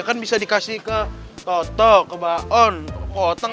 ya kan bisa dikasih ke toto ke baon ke otang